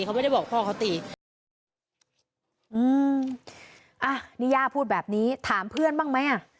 เขาไม่ได้บอกพ่อเขาตีอืมอ่ะนี่ย่าพูดแบบนี้ถามเพื่อนบ้างไหมอ่ะ